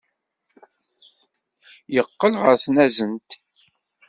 Yeqqel ɣer tnazent.